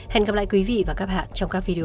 hẹn gặp lại quý vị và các bạn trong các video